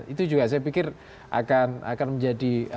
itu juga saya pikir akan menjadi